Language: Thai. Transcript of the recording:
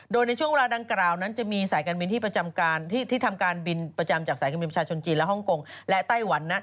โดยในช่วงเวลาดังกล่าวจะมีที่ทำการบินประจำจากสายการบินประชาชนจีนและฮ่องกงและไต้หวัน